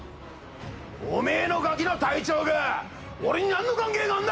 おめえのガキの体調が俺になんの関係があるんだ！